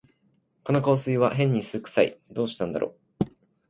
この香水はへんに酢くさい、どうしたんだろう